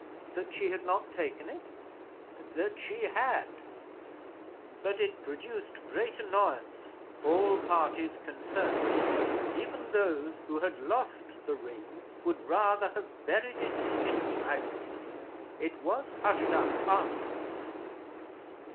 "That she had not taken it?" "That she had. But it produced great annoyance; all parties concerned, even those who had lost the ring, would rather have buried it in silence. It was hushed up afterwards.